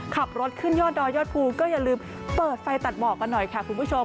ขับรถขึ้นยอดดอยยอดภูก็อย่าลืมเปิดไฟตัดหมอกกันหน่อยค่ะคุณผู้ชม